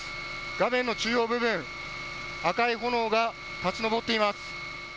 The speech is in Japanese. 画面の中央部分、赤い炎が立ち上っています。